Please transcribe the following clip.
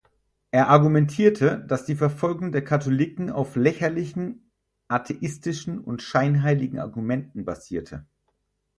Er argumentierte, dass die Verfolgung der Katholiken auf lächerlichen, atheistischen und scheinheiligen Argumenten basierte.